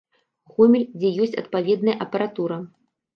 Гомель, дзе ёсць адпаведная апаратура.